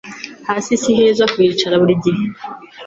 Hasi siheza kuhicara buri gihe